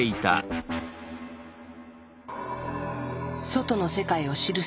外の世界を知る